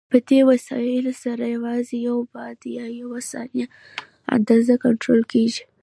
په دې وسایلو سره یوازې یو بعد یا یوه ثابته اندازه کنټرول کېږي.